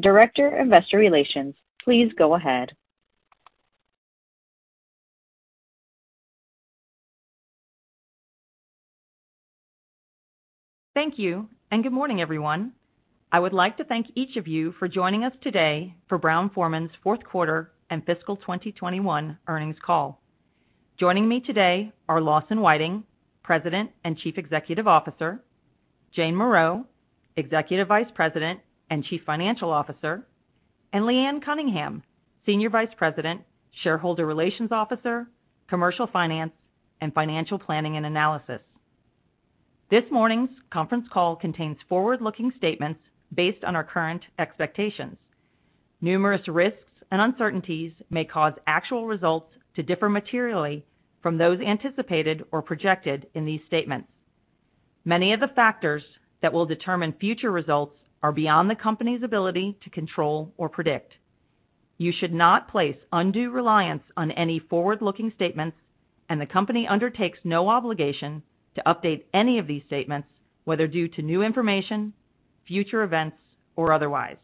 Thank you, and good morning, everyone. I would like to thank each of you for joining us today for Brown-Forman's fourth quarter and fiscal 2021 earnings call. Joining me today are Lawson Whiting, President and Chief Executive Officer, Jane Morreau, Executive Vice President and Chief Financial Officer, and Leanne Cunningham, Senior Vice President, Shareholder Relations Officer, Commercial Finance, and Financial Planning and Analysis. This morning's conference call contains forward-looking statements based on our current expectations. Numerous risks and uncertainties may cause actual results to differ materially from those anticipated or projected in these statements. Many of the factors that will determine future results are beyond the company's ability to control or predict. You should not place undue reliance on any forward-looking statements, and the company undertakes no obligation to update any of these statements, whether due to new information, future events, or otherwise.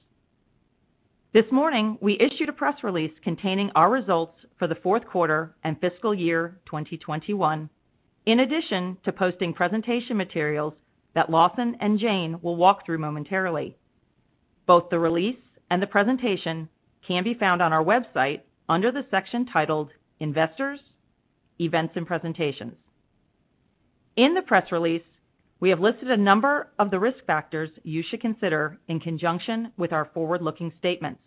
This morning, we issued a press release containing our results for the fourth quarter and fiscal year 2021, in addition to posting presentation materials that Lawson and Jane will walk through momentarily. Both the release and the presentation can be found on our website under the section titled Investors, Events and Presentations. In the press release, we have listed a number of the risk factors you should consider in conjunction with our forward-looking statements.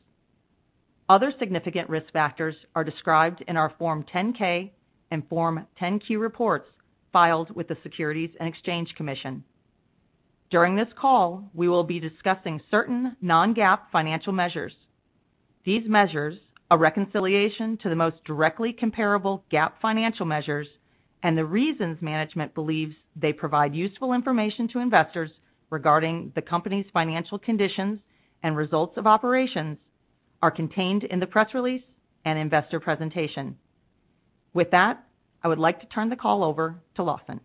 Other significant risk factors are described in our Form 10-K and Form 10-Q reports filed with the Securities and Exchange Commission. During this call, we will be discussing certain non-GAAP financial measures. These measures, a reconciliation to the most directly comparable GAAP financial measures, and the reasons management believes they provide useful information to investors regarding the company's financial conditions and results of operations, are contained in the press release and investor presentation. With that, I would like to turn the call over to Lawson.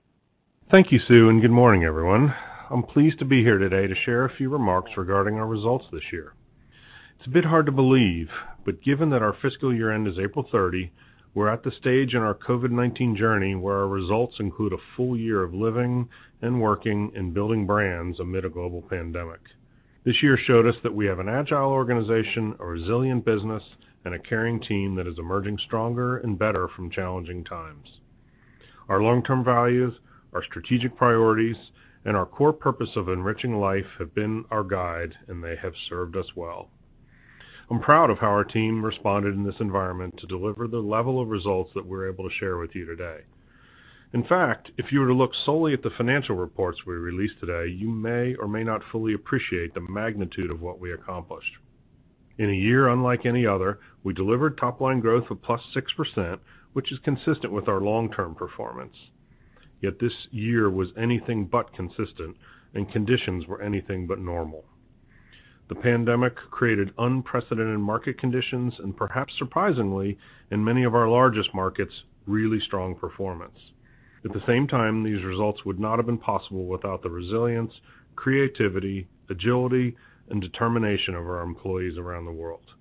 Thank you, Susanne, and good morning, everyone. I'm pleased to be here today to share a few remarks regarding our results this year. It's a bit hard to believe, but given that our fiscal year end is April 30, we're at the stage in our COVID-19 journey where our results include a full year of living and working and building brands amid a global pandemic. This year showed us that we have an agile organization, a resilient business, and a caring team that is emerging stronger and better from challenging times. Our long-term values, our strategic priorities, and our core purpose of enriching life have been our guide, and they have served us well. I'm proud of how our team responded in this environment to deliver the level of results that we're able to share with you today. In fact, if you were to look solely at the financial reports we released today, you may or may not fully appreciate the magnitude of what we accomplished. In a year unlike any other, we delivered top-line growth of +6%, which is consistent with our long-term performance. Yet this year was anything but consistent, and conditions were anything but normal. The pandemic created unprecedented market conditions, and perhaps surprisingly, in many of our largest markets, really strong performance. At the same time, these results would not have been possible without the resilience, creativity, agility, and determination of our employees around the world.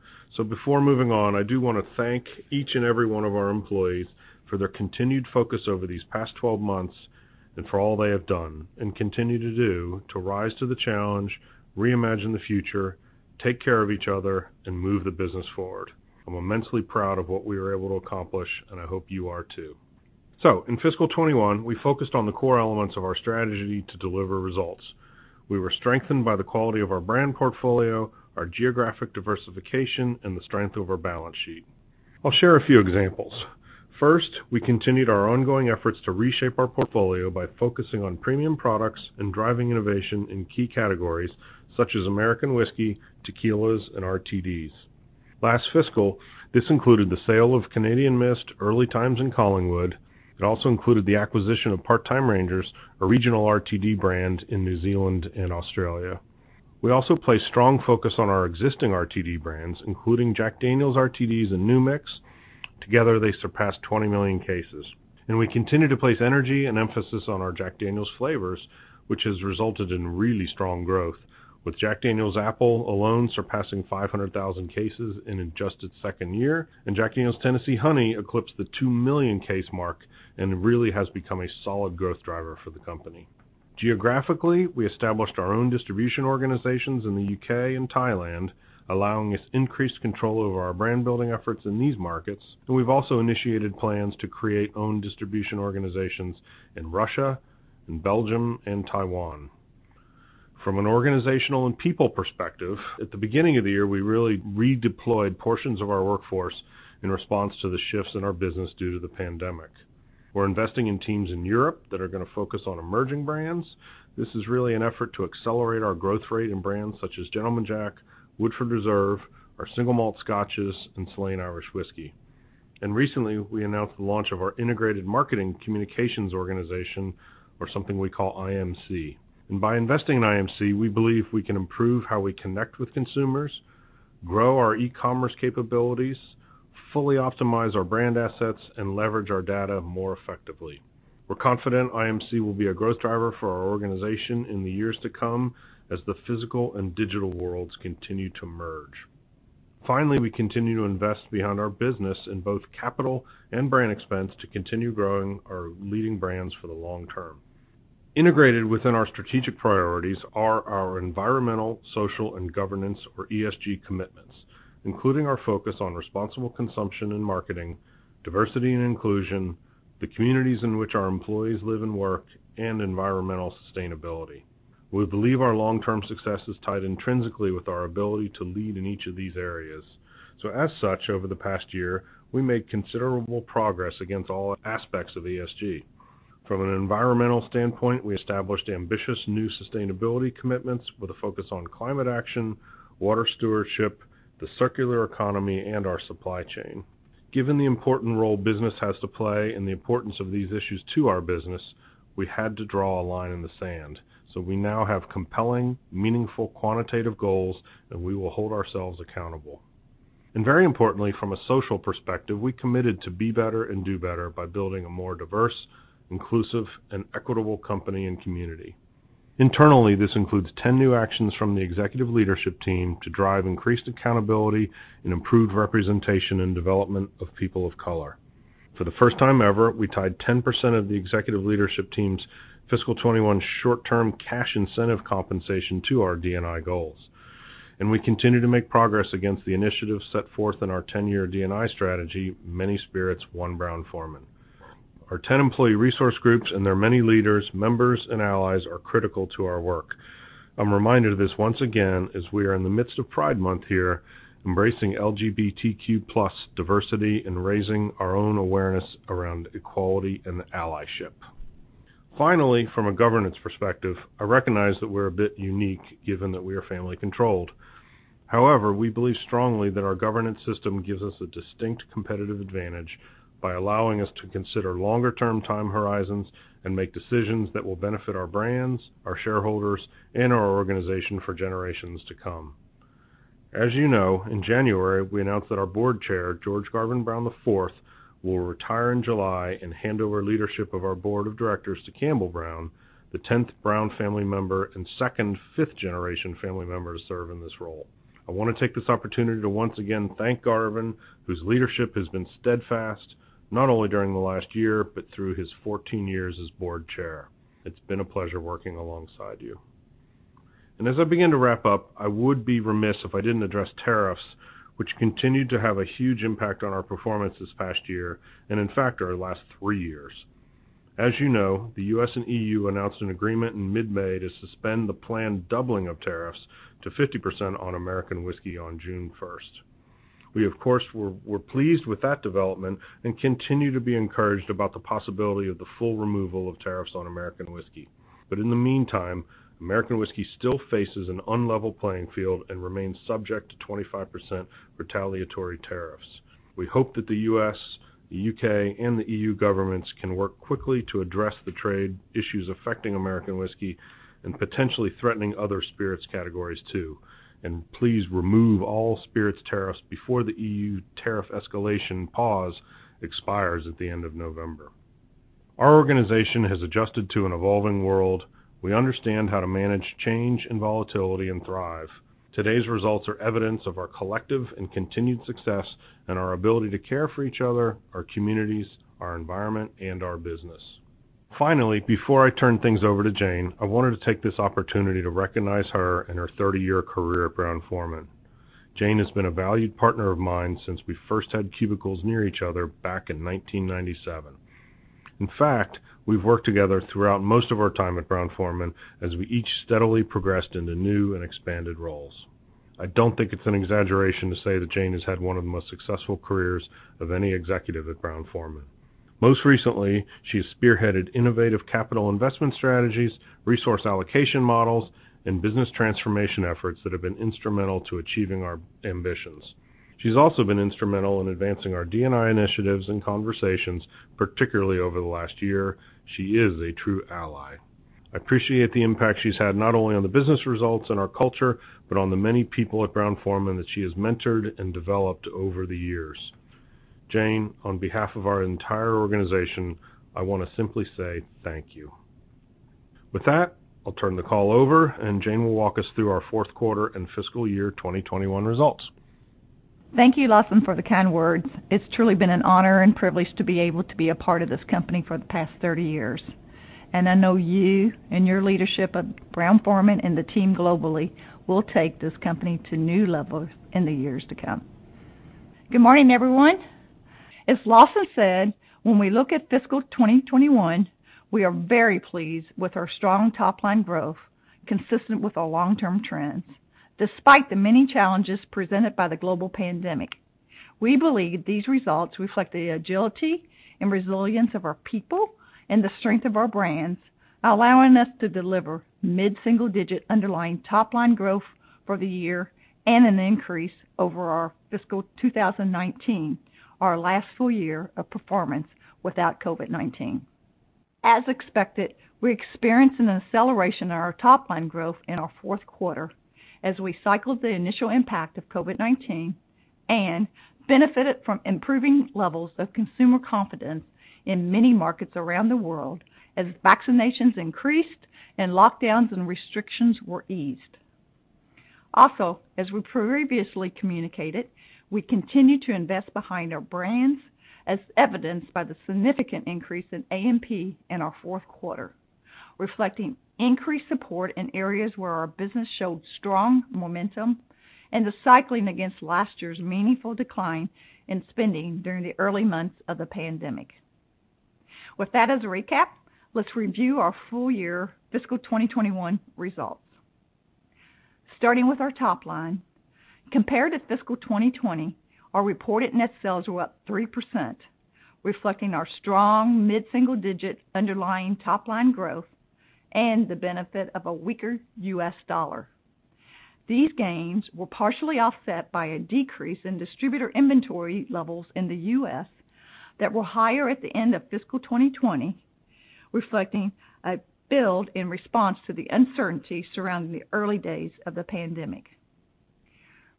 Before moving on, I do want to thank each and every one of our employees for their continued focus over these past 12 months and for all they have done and continue to do to rise to the challenge, reimagine the future, take care of each other, and move the business forward. I'm immensely proud of what we were able to accomplish, and I hope you are too. In fiscal 21, we focused on the core elements of our strategy to deliver results. We were strengthened by the quality of our brand portfolio, our geographic diversification, and the strength of our balance sheet. I'll share a few examples. First, we continued our ongoing efforts to reshape our portfolio by focusing on premium products and driving innovation in key categories such as American whiskey, tequilas, and RTDs. Last fiscal, this included the sale of Canadian Mist, Early Times, and Collingwood. It also included the acquisition of Part Time Rangers, a regional RTD brand in New Zealand and Australia. We also placed strong focus on our existing RTD brands, including Jack Daniel's RTDs and New Mix. Together, they surpassed 20 million cases. We continue to place energy and emphasis on our Jack Daniel's flavors, which has resulted in really strong growth, with Jack Daniel's Apple alone surpassing 500,000 cases in just its second year, and Jack Daniel's Tennessee Honey eclipsed the 2 million case mark and really has become a solid growth driver for the company. Geographically, we established our own distribution organizations in the U.K. and Thailand, allowing us increased control over our brand building efforts in these markets. We've also initiated plans to create own distribution organizations in Russia, in Belgium, and Taiwan. From an organizational and people perspective, at the beginning of the year, we really redeployed portions of our workforce in response to the shifts in our business due to the pandemic. We're investing in teams in Europe that are going to focus on emerging brands. This is really an effort to accelerate our growth rate in brands such as Gentleman Jack, Woodford Reserve, our single malt scotches, and Slane Irish Whiskey. Recently, we announced the launch of our integrated marketing communications organization, or something we call IMC. By investing in IMC, we believe we can improve how we connect with consumers, grow our e-commerce capabilities, fully optimize our brand assets, and leverage our data more effectively. We're confident IMC will be a growth driver for our organization in the years to come as the physical and digital worlds continue to merge. Finally, we continue to invest behind our business in both capital and brand expense to continue growing our leading brands for the long term. Integrated within our strategic priorities are our environmental, social, and governance, or ESG, commitments, including our focus on responsible consumption and marketing, diversity and inclusion, the communities in which our employees live and work, and environmental sustainability. We believe our longterm success is tied intrinsically with our ability to lead in each of these areas. As such, over the past year, we made considerable progress against all aspects of ESG. From an environmental standpoint, we established ambitious new sustainability commitments with a focus on climate action, water stewardship, the circular economy, and our supply chain. Given the important role business has to play and the importance of these issues to our business, we had to draw a line in the sand. We now have compelling, meaningful, quantitative goals, and we will hold ourselves accountable. Very importantly, from a social perspective, we committed to be better and do better by building a more diverse, inclusive, and equitable company and community. Internally, this includes 10 new actions from the executive leadership team to drive increased accountability and improved representation and development of people of color. For the first time ever, we tied 10% of the executive leadership team's fiscal 2021 short-term cash incentive compensation to our D&I goals. We continue to make progress against the initiatives set forth in our 10-year D&I strategy, Many Spirits, One Brown-Forman. Our 10 employee resource groups and their many leaders, members, and allies are critical to our work. A reminder of this one again, as we are in the midst of Pride Month here, embracing LGBTQ+ diversity and raising our own awareness around equality and allyship. Finally, from a governance perspective, I recognize that we're a bit unique given that we are family controlled. However, we believe strongly that our governance system gives us a distinct competitive advantage by allowing us to consider longer-term time horizons and make decisions that will benefit our brands, our shareholders, and our organization for generations to come. As you know, in January, we announced that our Board Chair, George Garvin Brown IV, will retire in July and hand over leadership of our board of directors to Campbell Brown, the 10th Brown family member and second 5th-generation family member to serve in this role. I want to take this opportunity to once again thank Garvin, whose leadership has been steadfast, not only during the last year, but through his 14 years as board chair. It's been a pleasure working alongside you. As I begin to wrap up, I would be remiss if I didn't address tariffs, which continued to have a huge impact on our performance this past year, and in fact, our last three years. As you know, the U.S. and E.U. announced an agreement in mid-May to suspend the planned doubling of tariffs to 50% on American whiskey on June 1st. We, of course, were pleased with that development and continue to be encouraged about the possibility of the full removal of tariffs on American whiskey. In the meantime, American whiskey still faces an unlevel playing field and remains subject to 25% retaliatory tariffs. We hope that the U.S., the U.K., and the E.U. governments can work quickly to address the trade issues affecting American whiskey and potentially threatening other spirits categories too, and please remove all spirits tariffs before the E.U. tariff escalation pause expires at the end of November. Our organization has adjusted to an evolving world. We understand how to manage change and volatility and thrive. Today's results are evidence of our collective and continued success and our ability to care for each other, our communities, our environment, and our business. Finally, before I turn things over to Jane, I wanted to take this opportunity to recognize her and her 30-year career at Brown-Forman. Jane has been a valued partner of mine since we first had cubicles near each other back in 1997. In fact, we've worked together throughout most of our time at Brown-Forman as we each steadily progressed into new and expanded roles. I don't think it's an exaggeration to say that Jane has had one of the most successful careers of any executive at Brown-Forman. Most recently, she has spearheaded innovative capital investment strategies, resource allocation models, and business transformation efforts that have been instrumental to achieving our ambitions. She's also been instrumental in advancing our D&I initiatives and conversations, particularly over the last year. She is a true ally. I appreciate the impact she's had not only on the business results and our culture, but on the many people at Brown-Forman that she has mentored and developed over the years. Jane, on behalf of our entire organization, I want to simply say thank you. With that, I'll turn the call over, and Jane will walk us through our fourth quarter and fiscal year 2021 results. Thank you, Lawson, for the kind words. It's truly been an honor and privilege to be able to be a part of this company for the past 30 years. I know you and your leadership at Brown-Forman and the team globally will take this company to new levels in the years to come. Good morning, everyone. As Lawson said, when we look at fiscal 2021, we are very pleased with our strong top-line growth, consistent with our long-term trends, despite the many challenges presented by the global pandemic. We believe these results reflect the agility and resilience of our people and the strength of our brands, allowing us to deliver mid-single-digit underlying top-line growth for the year and an increase over our fiscal 2019, our last full year of performance without COVID-19. As expected, we experienced an acceleration in our top-line growth in our 4th quarter as we cycled the initial impact of COVID-19 and benefited from improving levels of consumer confidence in many markets around the world as vaccinations increased and lockdowns and restrictions were eased. Also, as we previously communicated, we continue to invest behind our brands, as evidenced by the significant increase in A&P in our 4th quarter, reflecting increased support in areas where our business showed strong momentum and the cycling against last year's meaningful decline in spending during the early months of the pandemic. With that as a recap, let's review our full year fiscal 2021 results. Starting with our top line, compared to fiscal 2020, our reported net sales were up 3%, reflecting our strong mid-single digit underlying top-line growth and the benefit of a weaker U.S. Dollar. These gains were partially offset by a decrease in distributor inventory levels in the U.S. that were higher at the end of fiscal 2020, reflecting a build in response to the uncertainty surrounding the early days of the pandemic.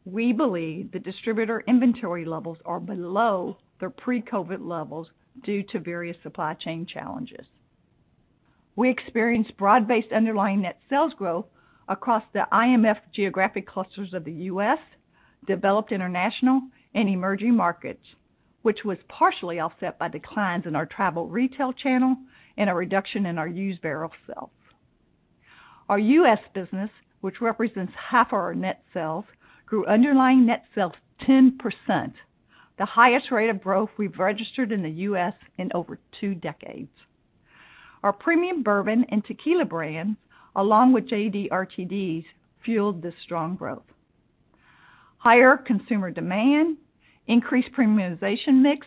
We believe the distributor inventory levels are below their pre-COVID-19 levels due to various supply chain challenges. We experienced broad-based underlying net sales growth across the IMF geographic clusters of the U.S., developed international and emerging markets, which was partially offset by declines in our travel retail channel and a reduction in our used barrel sales. Our U.S. business, which represents half our net sales, grew underlying net sales 10%, the highest rate of growth we've registered in the U.S. in over two decades. Our premium bourbon and tequila brands, along with JD RTDs, fueled this strong growth. Higher consumer demand, increased premiumization mix,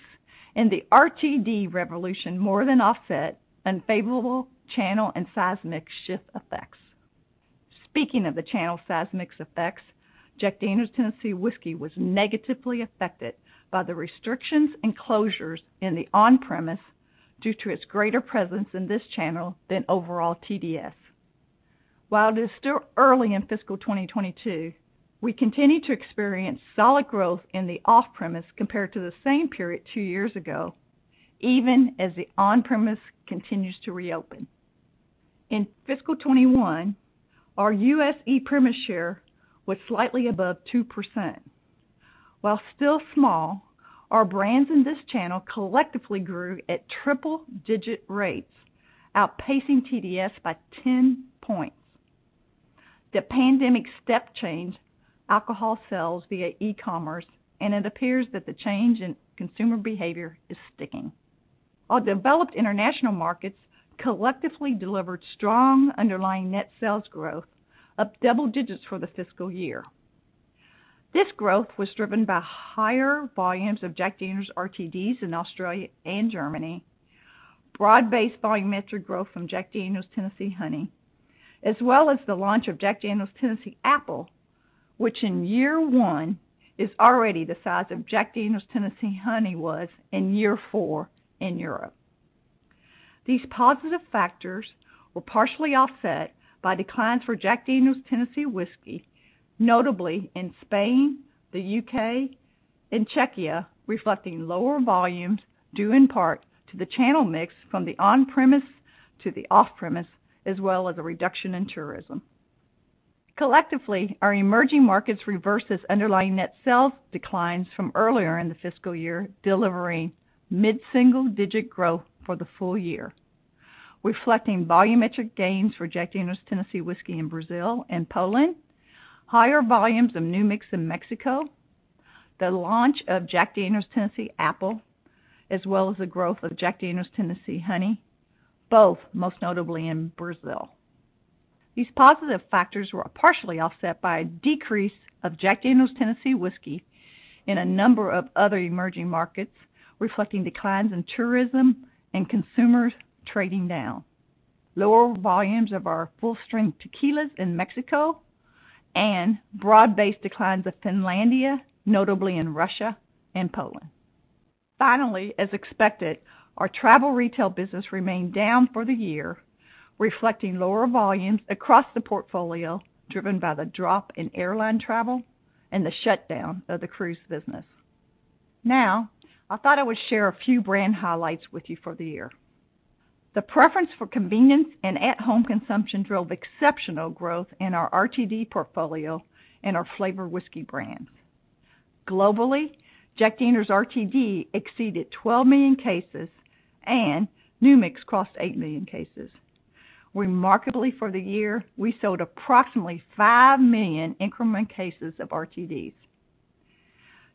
and the RTD revolution more than offset unfavorable channel and size mix shift effects. Speaking of the channel size mix effects, Jack Daniel's Tennessee Whiskey was negatively affected by the restrictions and closures in the on-premise due to its greater presence in this channel than overall TDS. While it is still early in fiscal 2022, we continue to experience solid growth in the off-premise compared to the same period two years ago, even as the on-premise continues to reopen. In fiscal 2021, our U.S. e-premise share was slightly above 2%. While still small, our brands in this channel collectively grew at triple digit rates, outpacing TDS by 10 points. The pandemic step change alcohol sales via e-commerce, and it appears that the change in consumer behavior is sticking. Our developed international markets collectively delivered strong underlying net sales growth of double digits for the fiscal year. This growth was driven by higher volumes of Jack Daniel's RTDs in Australia and Germany, broad-based volumetric growth from Jack Daniel's Tennessee Honey, as well as the launch of Jack Daniel's Tennessee Apple, which in year one is already the size of Jack Daniel's Tennessee Honey was in year four in Europe. These positive factors were partially offset by declines for Jack Daniel's Tennessee Whiskey, notably in Spain, the U.K., and Czechia, reflecting lower volumes due in part to the channel mix from the on-premise to the off-premise, as well as a reduction in tourism. Collectively, our emerging markets reverses underlying net sales declines from earlier in the fiscal year, delivering mid-single digit growth for the full year, reflecting volumetric gains for Jack Daniel's Tennessee Whiskey in Brazil and Poland, higher volumes of New Mix in Mexico, the launch of Jack Daniel's Tennessee Apple, as well as the growth of Jack Daniel's Tennessee Honey, both most notably in Brazil. These positive factors were partially offset by a decrease of Jack Daniel's Tennessee Whiskey in a number of other emerging markets, reflecting declines in tourism and consumers trading down, lower volumes of our full-strength tequilas in Mexico, and broad-based declines of Finlandia, notably in Russia and Poland. Finally, as expected, our travel retail business remained down for the year, reflecting lower volumes across the portfolio, driven by the drop in airline travel and the shutdown of the cruise business. Now, I thought I would share a few brand highlights with you for the year. The preference for convenience and at-home consumption drove exceptional growth in our RTD portfolio and our flavored whiskey brands. Globally, Jack Daniel's RTD exceeded 12 million cases, and New Mix crossed 8 million cases. Remarkably, for the year, we sold approximately 5 million incremental cases of RTDs.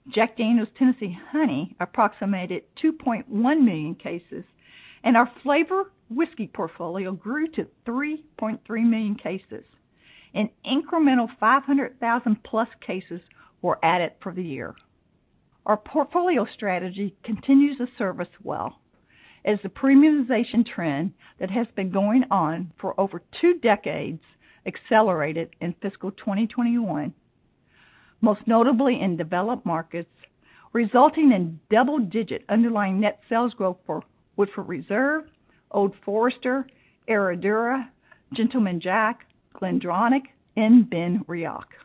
Jack Daniel's Tennessee Honey approximated 2.1 million cases, and our flavored whiskey portfolio grew to 3.3 million cases. An incremental 500,000+ cases were added for the year. Our portfolio strategy continues to serve us well. As the premiumization trend that has been going on for over two decades accelerated in fiscal 2021, most notably in developed markets, resulting in double-digit underlying net sales growth for Woodford Reserve, Old Forester, Herradura, Gentleman Jack, GlenDronach, and Benriach.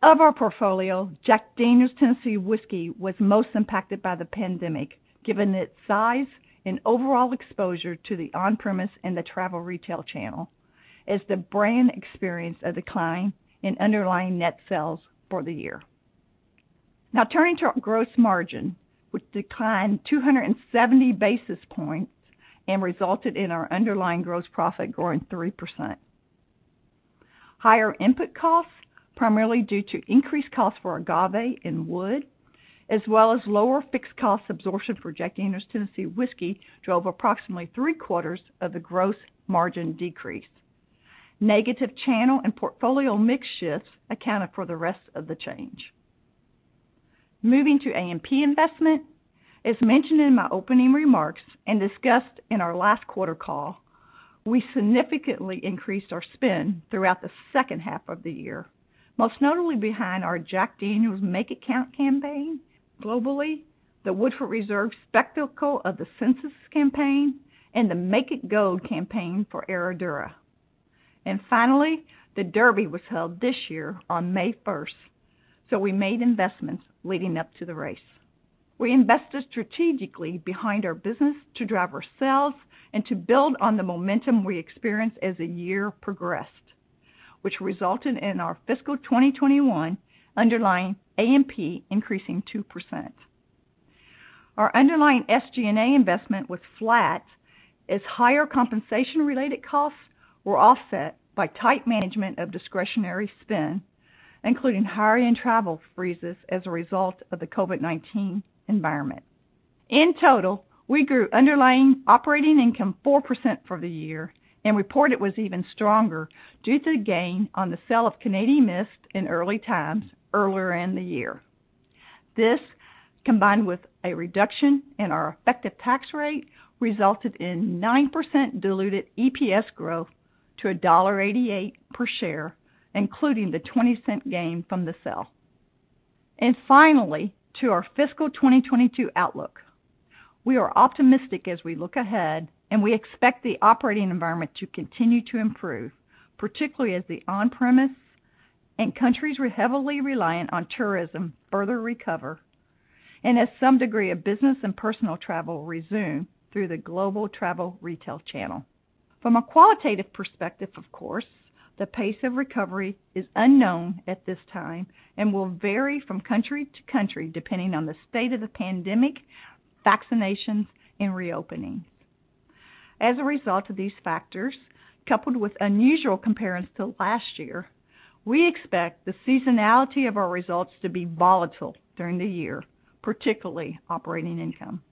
Of our portfolio, Jack Daniel's Tennessee Whiskey was most impacted by the pandemic, given its size and overall exposure to the on-premise and the travel retail channel. The brand experienced a decline in underlying net sales for the year. Now turning to our gross margin, which declined 270 basis points and resulted in our underlying gross profit growing 3%. Higher input costs, primarily due to increased costs for agave and wood, as well as lower fixed cost absorption for Jack Daniel's Tennessee Whiskey, drove approximately three-quarters of the gross margin decrease. Negative channel and portfolio mix shifts accounted for the rest of the change. Moving to A&P investment, as mentioned in my opening remarks and discussed in our last quarter call, we significantly increased our spend throughout the second half of the year, most notably behind our Jack Daniel's Make It Count campaign globally, the Woodford Reserve Spectacle for the Senses campaign, and the Make It Go campaign for Herradura. Finally, the Derby was held this year on May 1st, so we made investments leading up to the race. We invested strategically behind our business to drive our sales and to build on the momentum we experienced as the year progressed, which resulted in our fiscal 2021 underlying A&P increasing 2%. Our underlying SG&A investment was flat, as higher compensation-related costs were offset by tight management of discretionary spend, including hiring and travel freezes as a result of the COVID-19 environment. In total, we grew underlying operating income 4% for the year and report it was even stronger due to the gain on the sale of Canadian Mist and Early Times earlier in the year. This, combined with a reduction in our effective tax rate, resulted in 9% diluted EPS growth to $1.88 per share, including the $0.20 gain from the sale. Finally, to our fiscal 2022 outlook. We are optimistic as we look ahead, and we expect the operating environment to continue to improve, particularly as the on-premise and countries who are heavily reliant on tourism further recover, and as some degree of business and personal travel resume through the global travel retail channel. From a qualitative perspective, of course, the pace of recovery is unknown at this time and will vary from country to country depending on the state of the pandemic, vaccinations, and reopenings. As a result of these factors, coupled with unusual comparisons to last year, we expect the seasonality of our results to be volatile during the year, particularly operating income.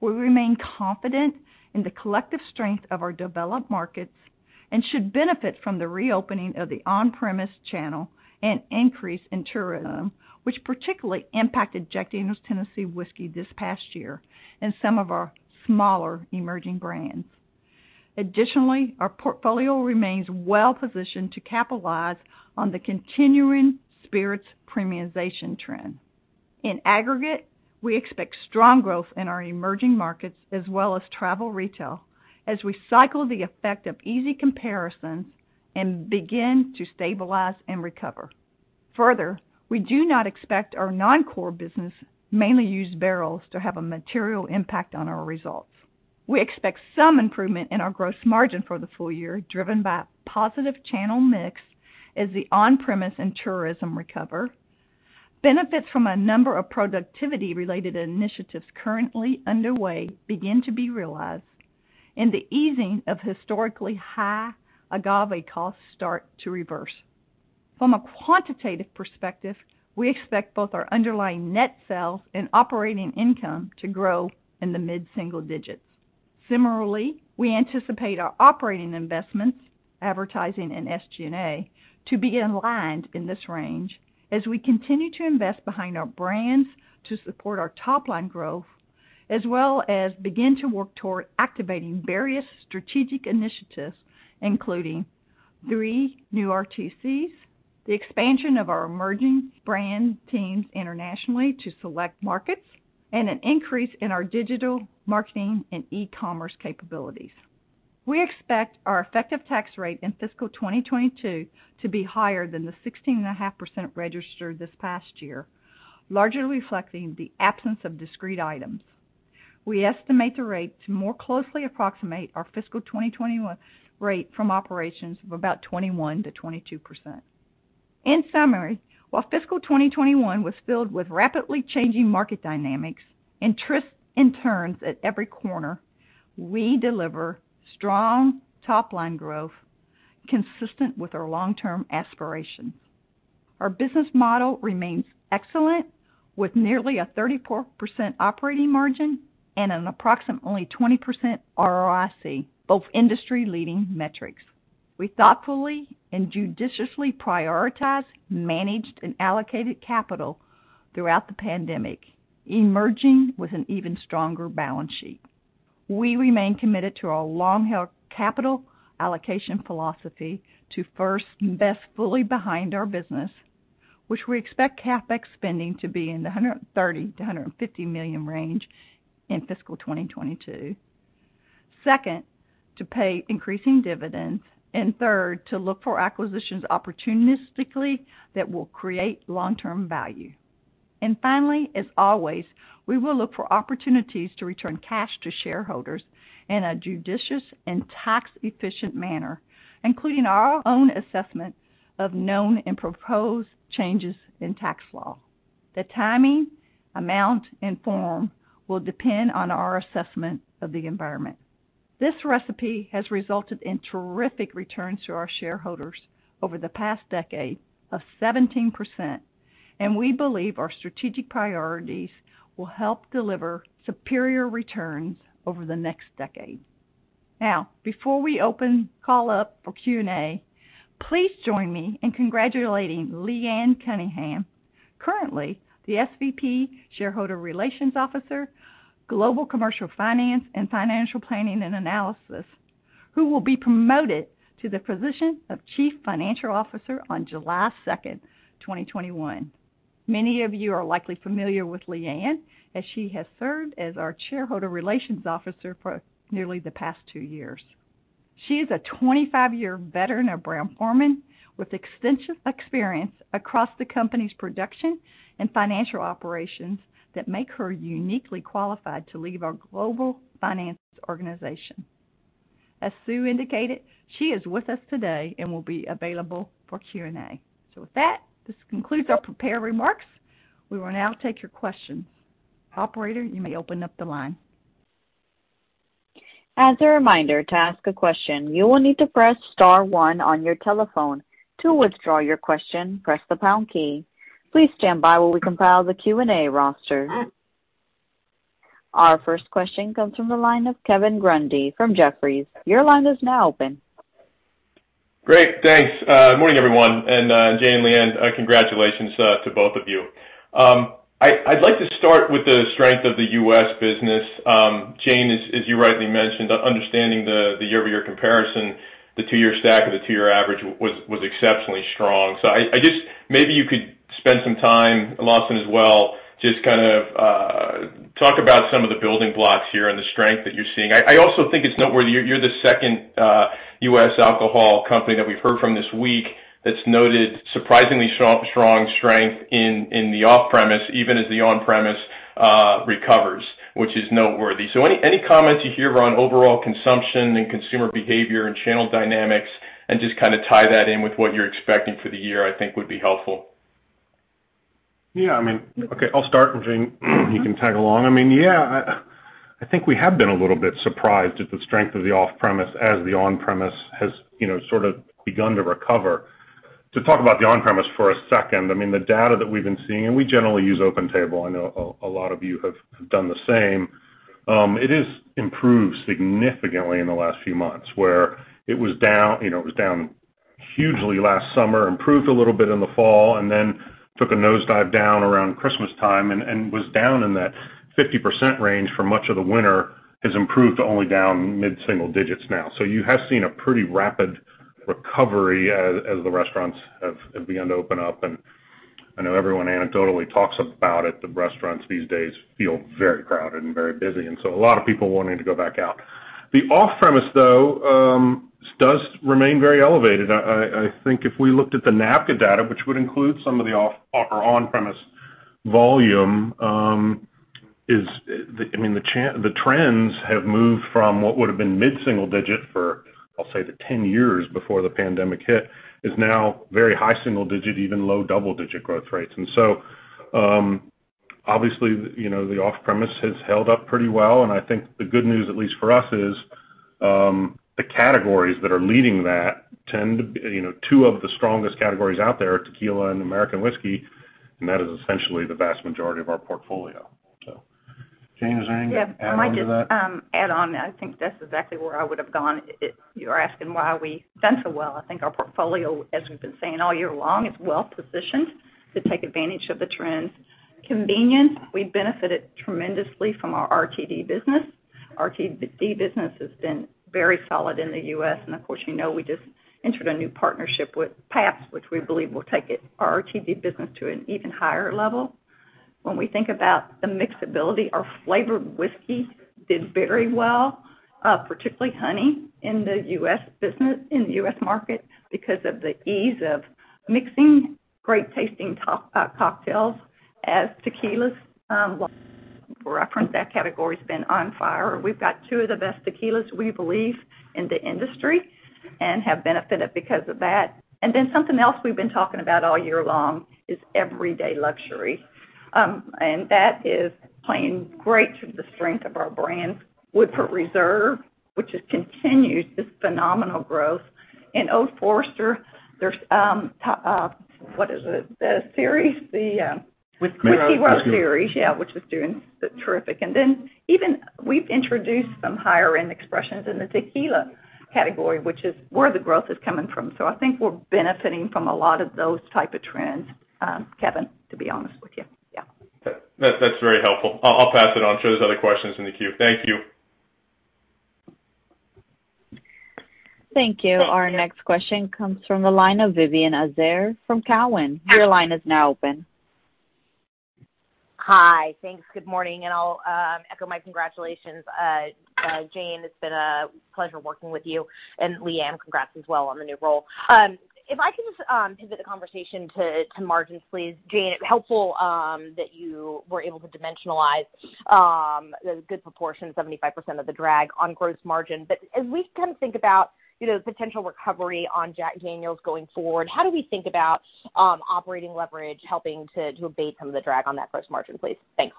We remain confident in the collective strength of our developed markets and should benefit from the reopening of the on-premise channel and increase in tourism, which particularly impacted Jack Daniel's Tennessee Whiskey this past year and some of our smaller emerging brands. Additionally, our portfolio remains well positioned to capitalize on the continuing spirits premiumization trend. In aggregate, we expect strong growth in our emerging markets as well as travel retail as we cycle the effect of easy comparisons and begin to stabilize and recover. Further, we do not expect our non-core business, mainly used barrels, to have a material impact on our results. We expect some improvement in our gross margin for the full year, driven by positive channel mix as the on-premise and tourism recover. Benefits from a number of productivity-related initiatives currently underway begin to be realized, and the easing of historically high agave costs start to reverse. From a quantitative perspective, we expect both our underlying net sales and operating income to grow in the mid-single digits. Similarly, we anticipate our operating investments, advertising, and SG&A to be aligned in this range as we continue to invest behind our brands to support our top-line growth, as well as begin to work toward activating various strategic initiatives, including three new RTDs, the expansion of our emerging brand teams internationally to select markets, and an increase in our digital marketing and e-commerce capabilities. We expect our effective tax rate in fiscal 2022 to be higher than the 16.5% registered this past year, largely reflecting the absence of discrete items. We estimate the rate to more closely approximate our fiscal 2021 rate from operations of about 21%-22%. In summary, while fiscal 2021 was filled with rapidly changing market dynamics and twists and turns at every corner, we deliver strong top-line growth consistent with our long-term aspirations. Our business model remains excellent, with nearly a 34% operating margin and an approximately 20% ROIC, both industry-leading metrics. We thoughtfully and judiciously prioritized, managed, and allocated capital throughout the pandemic, emerging with an even stronger balance sheet. We remain committed to our long-held capital allocation philosophy to first invest fully behind our business, which we expect CapEx spending to be in the $130 million-$150 million range in fiscal 2022. Second, to pay increasing dividends, and third, to look for acquisitions opportunistically that will create long-term value. Finally, as always, we will look for opportunities to return cash to shareholders in a judicious and tax-efficient manner, including our own assessment of known and proposed changes in tax law. The timing, amount, and form will depend on our assessment of the environment. This recipe has resulted in terrific returns to our shareholders over the past decade of 17%, and we believe our strategic priorities will help deliver superior returns over the next decade. Now, before we open call up for Q&A, please join me in congratulating Leanne Cunningham, currently the SVP Shareholder Relations Officer, Global Commercial Finance, and Financial Planning and Analysis, who will be promoted to the position of Chief Financial Officer on July 2nd, 2021. Many of you are likely familiar with Leanne, as she has served as our Shareholder Relations Officer for nearly the past two years. She is a 25-year veteran of Brown-Forman, with extensive experience across the company's production and financial operations that make her uniquely qualified to lead our global finance organization. As Sue indicated, she is with us today and will be available for Q&A. With that, this concludes our prepared remarks. We will now take your questions. Operator, you may open up the line. As a reminder, to ask a question, you will need to press star one on your telephone. To withdraw your question, press the pound key. Please stand by while we compile the Q&A roster. Our first question comes from the line of Kevin Grundy from Jefferies. Your line is now open. Great. Thanks. Good morning, everyone. Jane Morreau, Leanne Cunningham, congratulations to both of you. I'd like to start with the strength of the U.S. business. Jane Morreau, as you rightly mentioned, understanding the year-over-year comparison, the tier stack or the tier average was exceptionally strong. Maybe you could spend some time, Lawson Whiting as well, just kind of talk about some of the building blocks here and the strength that you're seeing. I also think it's noteworthy you're the second U.S. alcohol company that we've heard from this week that's noted surprisingly strong strength in the off-premise, even as the on-premise recovers, which is noteworthy. Any comments you hear on overall consumption and consumer behavior and channel dynamics, and just kind of tie that in with what you're expecting for the year, I think would be helpful. Yeah, I'll start, and Jane, you can tag along. Yeah, I think we have been a little bit surprised at the strength of the off-premise as the on-premise has sort of begun to recover. To talk about the on-premise for a second, the data that we've been seeing, we generally use OpenTable. I know a lot of you have done the same. It has improved significantly in the last few months, where it was down hugely last summer, improved a little bit in the fall, then took a nosedive down around Christmas time, was down in that 50% range for much of the winter. It's improved to only down mid-single digits now. You have seen a pretty rapid recovery as the restaurants have begun to open up. I know everyone anecdotally talks about it, the restaurants these days feel very crowded and very busy, a lot of people wanting to go back out. The off-premise, though, does remain very elevated. I think if we looked at the NABCA data, which would include some of the on-premise volume, the trends have moved from what would've been mid-single digit for, I'll say, the 10 years before the pandemic hit, is now very high single digit, even low double-digit growth rates. Obviously, the off-premise has held up pretty well, and I think the good news, at least for us, is the categories that are leading that, two of the strongest categories out there are tequila and American whiskey, and that is essentially the vast majority of our portfolio. Jane, anything to add on to that? Yeah. If I could just add on, I think that's exactly where I would've gone. You're asking why we've done so well. I think our portfolio, as we've been saying all year long, is well-positioned to take advantage of the trends. Convenience, we benefited tremendously from our RTD business. RTD business has been very solid in the U.S., and of course, you know, we just entered a new partnership with Pabst, which we believe will take our RTD business to an even higher level. When we think about the mixability, our flavored whiskey did very well, particularly honey, in the U.S. market because of the ease of mixing great tasting cocktails. As tequilas, I referenced that category's been on fire. We've got two of the best tequilas, we believe, in the industry, and have benefited because of that. Something else we've been talking about all year long is everyday luxury. That is playing great to the strength of our brands. Woodford Reserve, which has continued this phenomenal growth. Old Forester, there's, what is it? The series? Whiskey Row. Whiskey Row series. Yeah, which is doing terrific. Even we've introduced some higher-end expressions in the tequila category, which is where the growth is coming from. I think we're benefiting from a lot of those type of trends, Kevin, to be honest with you. Yeah. That's very helpful. I'll pass it on. Sure there's other questions in the queue. Thank you. Thank you. Our next question comes from the line of Vivian Azer from Cowen. Your line is now open. Hi. Thanks. Good morning, all. Echo my congratulations. Jane, it's been a pleasure working with you, and Leanne, congrats as well on the new role. If I can just pivot the conversation to margins, please? Jane, helpful that you were able to dimensionalize a good proportion, 75% of the drag on gross margin. As we kind of think about potential recovery on Jack Daniel's going forward, how do we think about operating leverage helping to abate some of the drag on that gross margin, please? Thanks.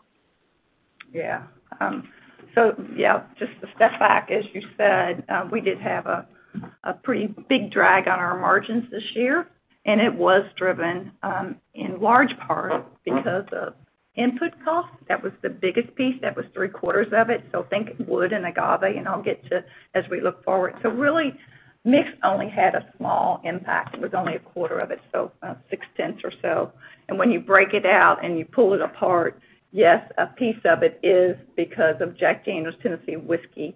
Just to step back, as you said, we did have a pretty big drag on our margins this year, and it was driven in large part because of input costs. That was the biggest piece. That was three-quarters of it. Think wood and agave, and I'll get to as we look forward. Really, mix only had a small impact. It was only a quarter of it, so six tenths or so. When you break it out and you pull it apart, yes, a piece of it is because of Jack Daniel's Tennessee Whiskey,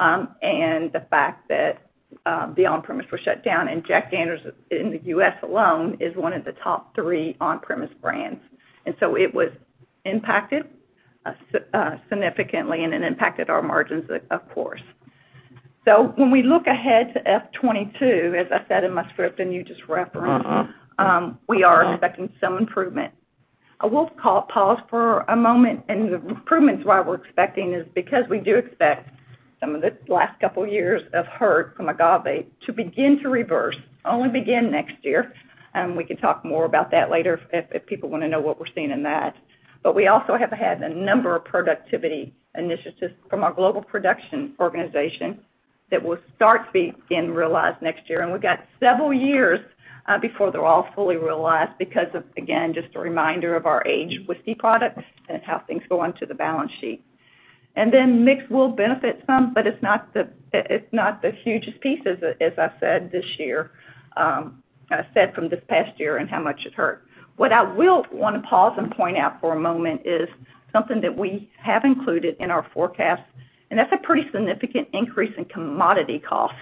and the fact that the on-premise were shut down. Jack Daniel's in the U.S. alone is one of the top three on-premise brands. It was impacted significantly, and it impacted our margins, of course. When we look ahead to FY 2022, as I said in my script and you just referenced, we are expecting some improvement. I will pause for a moment, the improvements what we're expecting is because we do expect some of this last couple of years of hurt from agave to begin to reverse, only begin next year. We can talk more about that later if people want to know what we're seeing in that. We also have had a number of productivity initiatives from our global production organization that will start being realized next year. We've got several years before they're all fully realized because, again, just a reminder of our aged whiskey product and how things go onto the balance sheet. Mix will benefit some, but it's not the hugest piece, as I said, from this past year and how much it hurt. What I will want to pause and point out for a moment is something that we have included in our forecast, and that's a pretty significant increase in commodity cost.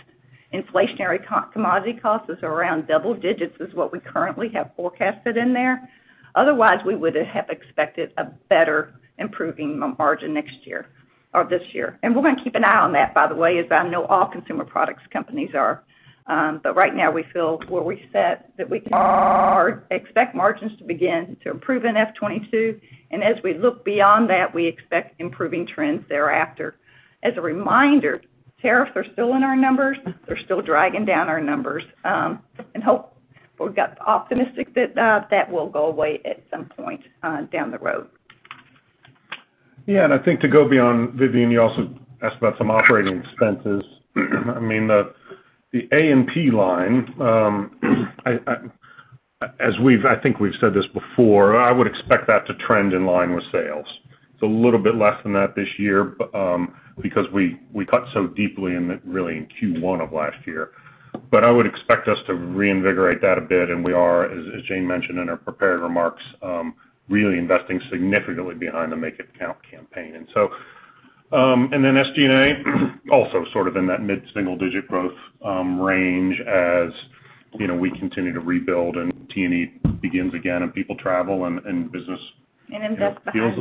Inflationary commodity cost is around double digits is what we currently have forecasted in there. Otherwise, we would have expected a better improving margin this year. We're going to keep an eye on that, by the way, as I know all consumer products companies are. Right now, we feel where we said that we expect margins to begin to improve in FY 2022. As we look beyond that, we expect improving trends thereafter. As a reminder, tariffs are still in our numbers. They're still dragging down our numbers. We've got the optimistic bit that will go away at some point down the road. I think to go beyond, Vivian, you also asked about some operating expenses. The A&P line, I think we've said this before, I would expect that to trend in line with sales. It's a little bit less than that this year, because we cut so deeply really in Q1 of last year. I would expect us to reinvigorate that a bit, and we are, as Jane mentioned in her prepared remarks, really investing significantly behind the Make It Count campaign. SG&A, also sort of in that mid-single digit growth range as we continue to rebuild and T&E begins again, and people travel and business. And hope that- Feels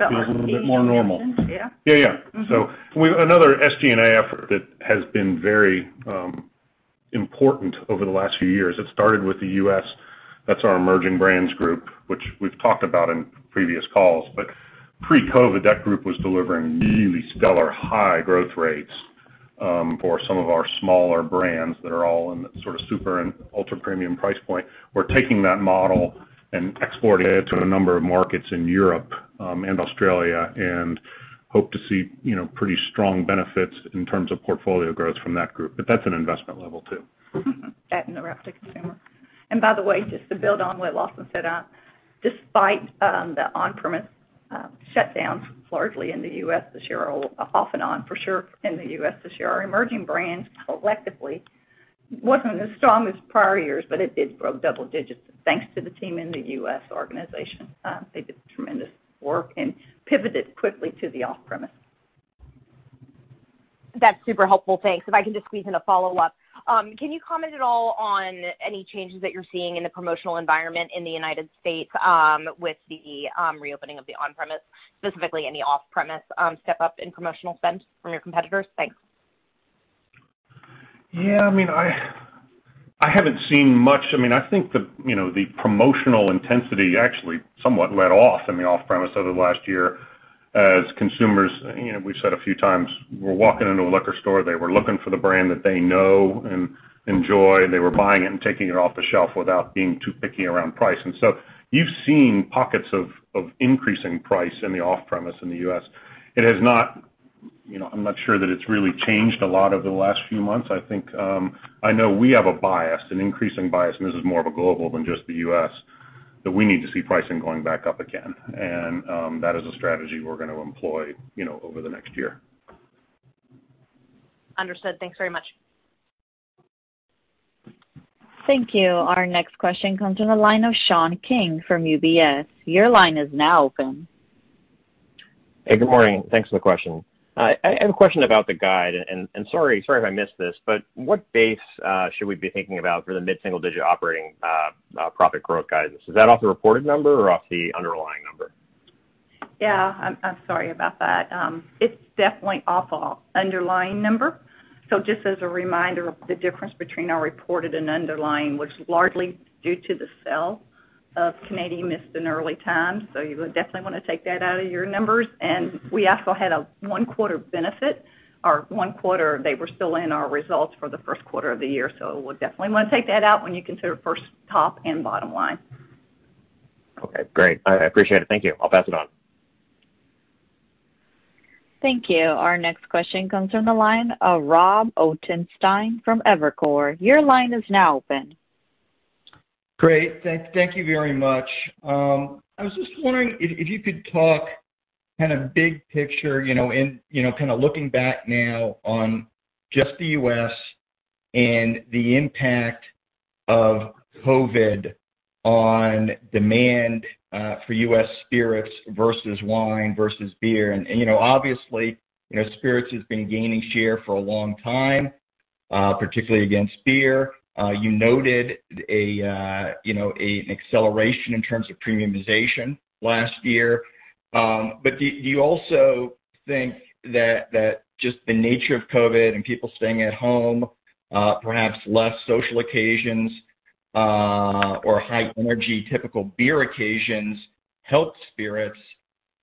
a little bit more normal. Yeah. Yeah, yeah. Another SG&A effort that has been very important over the last few years, it started with the U.S. That's our emerging brands group, which we've talked about in previous calls. Pre-COVID-19, that group was delivering really stellar high growth rates for some of our smaller brands that are all in that sort of super and ultra-premium price point. We're taking that model and exporting it to a number of markets in Europe and Australia, and hope to see pretty strong benefits in terms of portfolio growth from that group. That's an investment level, too. That and the rep team. By the way, just to build on what Lawson said, despite the on-premise shutdowns largely in the U.S. this year, off and on for sure in the U.S. this year, our emerging brands collectively wasn't as strong as prior years, but it did grow double digits thanks to the team in the U.S. organization. They did tremendous work and pivoted quickly to the off-premise. That's super helpful. Thanks. If I can just squeeze in a follow-up. Can you comment at all on any changes that you're seeing in the promotional environment in the U.S. with the reopening of the on-premise, specifically any off-premise step-up in promotional spends from your competitors? Thanks. Yeah, I haven't seen much. I think the promotional intensity actually somewhat went off in the off-premise over the last year. As consumers, we said a few times, were walking into a liquor store. They were looking for the brand that they know and enjoy. They were buying it and taking it off the shelf without being too picky around price. You've seen pockets of increasing price in the off-premise in the U.S. It has not. I'm not sure that it's really changed a lot over the last few months. I know we have a bias, an increasing bias, and this is more of a global than just the U.S., that we need to see pricing going back up again. That is a strategy we're going to employ over the next year. Understood. Thanks very much. Thank you. Our next question comes from the line of Sean King from UBS. Hey, good morning. Thanks for the question. I have a question about the guide, and sorry if I missed this, but what base should we be thinking about for the mid-single digit operating profit growth guidance? Is that off the reported number or off the underlying number? Yeah, I'm sorry about that. It's definitely off our underlying number. Just as a reminder of the difference between our reported and underlying, which is largely due to the sale of Canadian Mist in Early Times. You would definitely want to take that out of your numbers. We also had a one quarter benefit, or one quarter they were still in our results for the first quarter of the year. We'll definitely want to take that out when you consider first top and bottom line. Okay, great. I appreciate it. Thank you. I'll pass it on. Thank you. Our next question comes from the line of Robert Ottenstein from Evercore. Your line is now open. Great. Thank you very much. I was just wondering if you could talk kind of big picture, kind of looking back now on just the U.S. and the impact of COVID on demand for U.S. spirits versus wine versus beer. Obviously, spirits has been gaining share for a long time, particularly against beer. You noted an acceleration in terms of premiumization last year. Do you also think that just the nature of COVID and people staying at home, perhaps less social occasions, or high energy, typical beer occasions helped spirits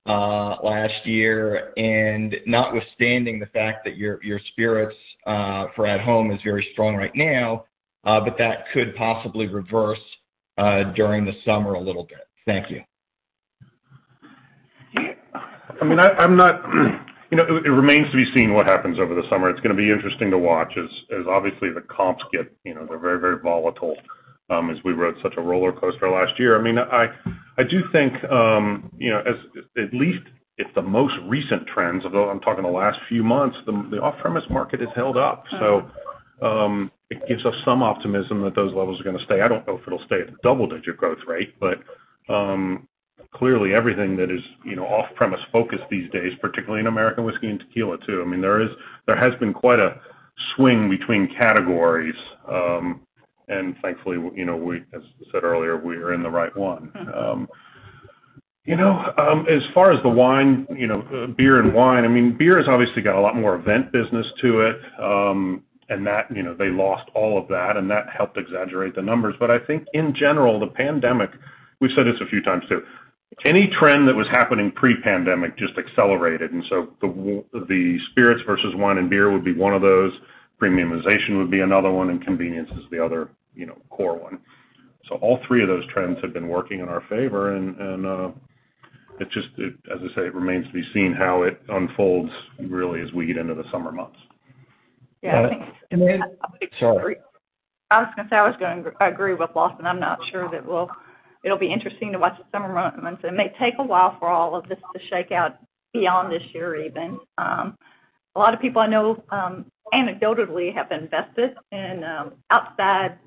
last year? Notwithstanding the fact that your spirits for at home is very strong right now, but that could possibly reverse during the summer a little bit. Thank you. It remains to be seen what happens over the summer. It's going to be interesting to watch as obviously the comps get, they're very volatile as we rode such a roller coaster last year. I do think, at least if the most recent trends, although I'm talking the last few months, the off-premise market has held up. It gives us some optimism that those levels are going to stay. I don't know if it'll stay at the double-digit growth rate, but clearly everything that is off-premise focused these days, particularly in American whiskey and tequila too. There has been quite a swing between categories. Thankfully, as I said earlier, we are in the right one. As far as the beer and wine, beer has obviously got a lot more event business to it. They lost all of that, and that helped exaggerate the numbers. I think in general, the pandemic, we've said this a few times too, any trend that was happening pre-pandemic just accelerated. The spirits versus wine and beer would be one of those. Premiumization would be another one, and convenience is the other core one. All three of those trends have been working in our favor, and as I say, it remains to be seen how it unfolds really as we get into the summer months. Yeah, I think- Sorry. I was going to say, I agree with Lawson. I'm not sure that It'll be interesting to watch the summer months. It may take a while for all of this to shake out beyond this year even. A lot of people I know, anecdotally, have invested in outside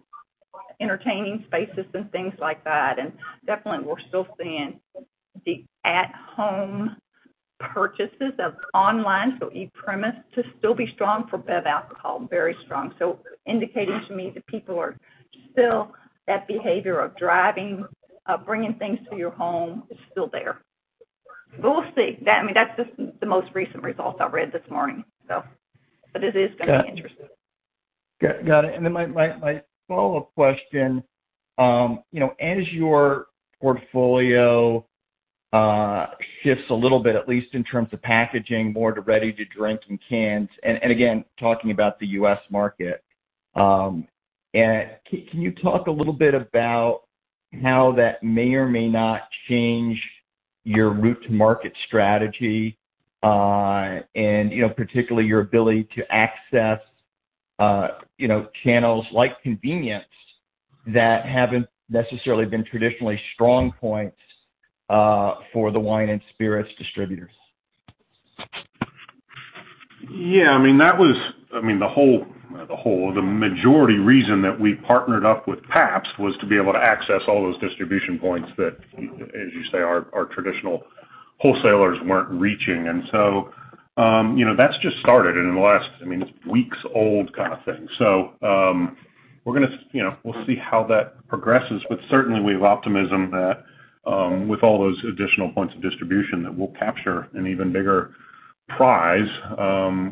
entertaining spaces and things like that. Definitely we're still seeing the at home purchases of online. E-premise to still be strong for bev alcohol, very strong. Indicating to me that people are still, that behavior of driving, of bringing things to your home is still there. We'll see. That's just the most recent results I read this morning. It is going to be interesting. Got it. My follow-up question. As your portfolio shifts a little bit, at least in terms of packaging, more to ready-to-drink and cans, and again, talking about the U.S. market. Can you talk a little bit about how that may or may not change your route to market strategy, and particularly your ability to access channels like convenience that haven't necessarily been traditionally strong points for the wine and spirits distributors? Yeah, the majority reason that we partnered up with Pabst was to be able to access all those distribution points that, as you say, our traditional wholesalers weren't reaching. That's just started, and in the last, it's weeks old kind of thing. We'll see how that progresses, but certainly we have optimism that with all those additional points of distribution, that we'll capture an even bigger prize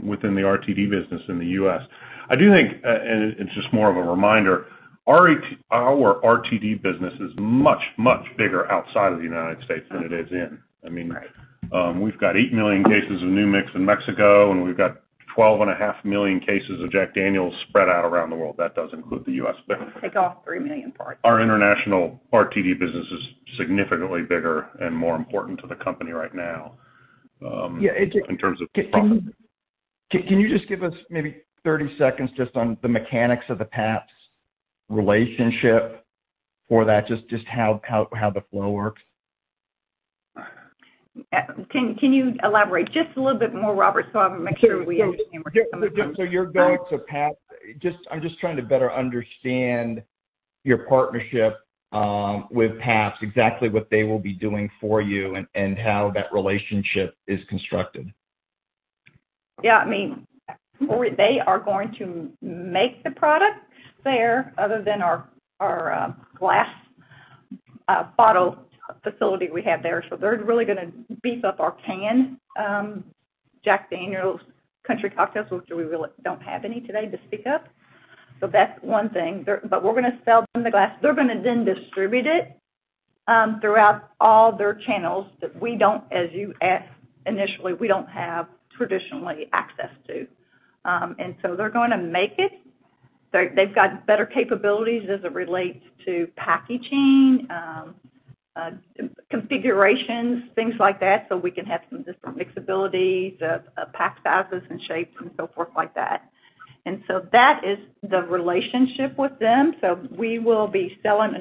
within the RTD business in the U.S. I do think, and it's just more of a reminder, our RTD business is much, much bigger outside of the United States than it is in. Right. We've got 8 million cases of New Mix in Mexico, and we've got 12.5 million cases of Jack Daniel's spread out around the world. That does include the U.S. Take off 3,000,000 bars. Our international RTD business is significantly bigger and more important to the company right now. Can you just give us maybe 30 seconds just on the mechanics of the Pabst relationship for that, just how the flow works? Can you elaborate just a little bit more, Robert, so I can make sure. You're going to Pabst. I'm just trying to better understand your partnership with Pabst, exactly what they will be doing for you, and how that relationship is constructed. Yeah. They are going to make the product there, other than our glass bottle facility we have there. They're really going to beef up our can, Jack Daniel's Country Cocktails, which we really don't have any today to speak of. That's one thing. We're going to sell them the glass. They're going to then distribute it throughout all their channels that we don't, as you asked initially, we don't have traditionally access to. They're going to make it. They've got better capabilities as it relates to packaging, configurations, things like that, so we can have some different mixabilities of pack sizes and shapes and so forth like that. That is the relationship with them. We will be selling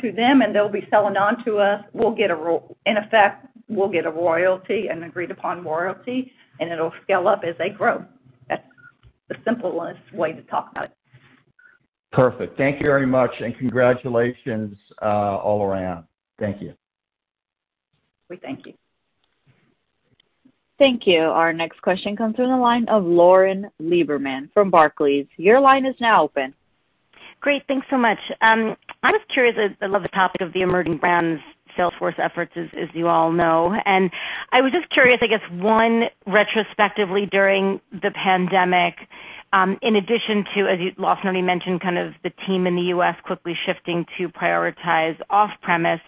to them, and they'll be selling onto us. In effect, we'll get an agreed-upon royalty, and it'll scale up as they grow. That's the simplest way to talk about it. Perfect. Thank you very much, and congratulations, all around. Thank you. We thank you. Thank you. Our next question comes from the line of Lauren Lieberman from Barclays. Your line is now open. Great, thanks so much. I'm curious about the topic of the emerging brands salesforce efforts, as you all know. I was just curious, I guess, one, retrospectively during the pandemic, in addition to, as you, Lawson, mentioned kind of the team in the U.S. quickly shifting to prioritize off-premise.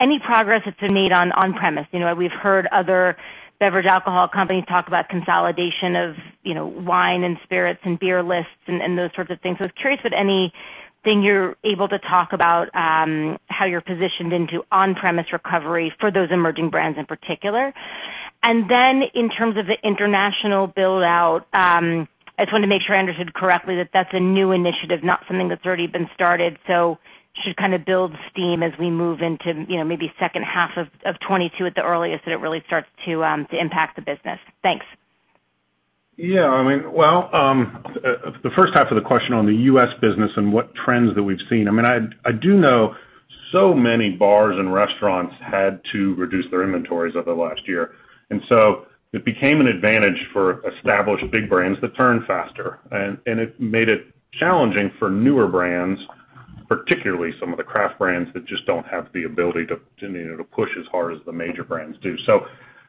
Any progress that's been made on on-premise? We've heard other beverage alcohol companies talk about consolidation of wine and spirits and beer lists and those sorts of things. Just curious if anything you're able to talk about how you're positioned into on-premise recovery for those emerging brands in particular. Then in terms of the international build-out, I just wanted to make sure I understood correctly that that's a new initiative, not something that's already been started, so should kind of build steam as we move into maybe second half of 2022 at the earliest, and it really starts to impact the business. Thanks. Well, the first half of the question on the U.S. business and what trends that we've seen, I do know so many bars and restaurants had to reduce their inventories over the last year. It became an advantage for established big brands to turn faster. It made it challenging for newer brands, particularly some of the craft brands, that just don't have the ability to push as hard as the major brands do.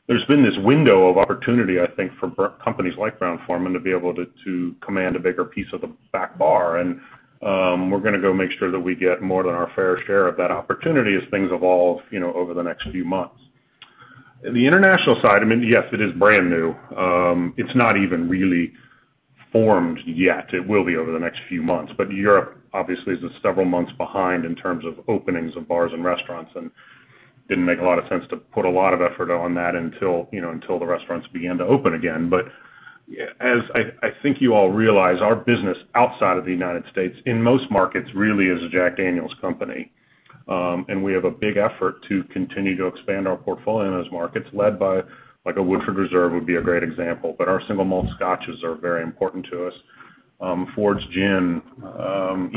There's been this window of opportunity, I think, for companies like Brown-Forman to be able to command a bigger piece of the back bar. We're going to go make sure that we get more than our fair share of that opportunity as things evolve over the next few months. The international side, yes, it is brand new. It's not even really formed yet. It will be over the next few months. Europe, obviously, is several months behind in terms of openings of bars and restaurants, and didn't make a lot of sense to put a lot of effort on that until the restaurants began to open again. As I think you all realize, our business outside of the United States, in most markets, really is a Jack Daniel's company. We have a big effort to continue to expand our portfolio in those markets, led by, like a Woodford Reserve would be a great example. Our single malt scotches are very important to us. Fords Gin,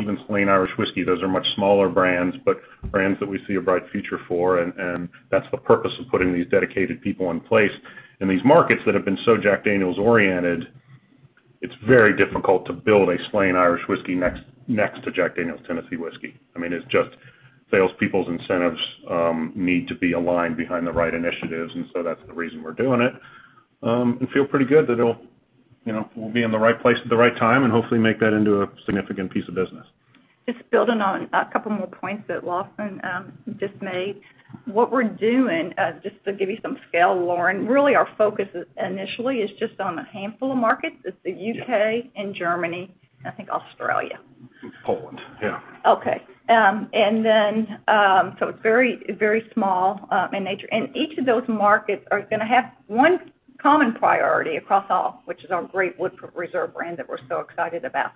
even Slane Irish Whiskey, those are much smaller brands, but brands that we see a bright future for, and that's the purpose of putting these dedicated people in place. In these markets that have been so Jack Daniel's oriented, it's very difficult to build a Slane Irish Whiskey next to Jack Daniel's Tennessee Whiskey. It's just salespeople's incentives need to be aligned behind the right initiatives, and so that's the reason we're doing it. Feel pretty good that it'll be in the right place at the right time and hopefully make that into a significant piece of business. Just building on a couple more points that Lawson just made. What we're doing, just to give you some scale, Lauren, really our focus initially is just on a handful of markets. It's the U.K., and Germany, and I think Australia. With Poland, yeah. Okay. It's very small in nature. Each of those markets are going to have one common priority across all, which is our great Woodford Reserve brand that we're so excited about.